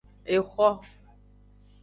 Exo.